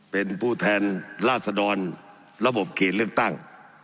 เป็นผู้แทนราษดรระบบเขตเลือกตั้ง